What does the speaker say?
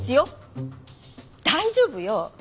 大丈夫よ！